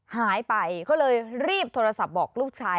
หายไปก็เลยรีบโทรศัพท์บอกลูกชาย